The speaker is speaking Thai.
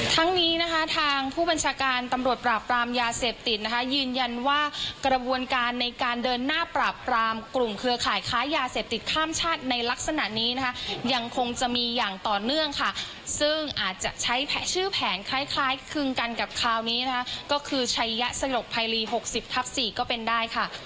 ทั้งนี้นะคะทางผู้บัญชาการตำรวจปราบปรามยาเสพติดนะคะยืนยันว่ากระบวนการในการเดินหน้าปราบปรามกลุ่มเครือข่ายค้ายาเสพติดข้ามชาติในลักษณะนี้นะคะยังคงจะมีอย่างต่อเนื่องค่ะซึ่งอาจจะใช้ชื่อแผนคล้ายคล้ายคลึงกันกับคราวนี้นะคะก็คือชัยยะสยบภัยลี๖๐ทับ๔ก็เป็นได้ค่ะ